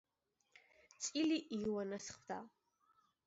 წილი იონას ხვდა.